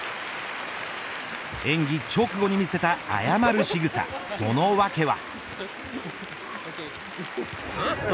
演技直後に見せた謝るしぐさ、そのわけは。